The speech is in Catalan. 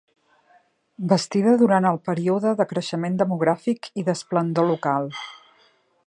Bastida durant el període de creixement demogràfic i d'esplendor local.